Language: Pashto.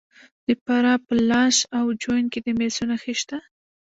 د فراه په لاش او جوین کې د مسو نښې شته.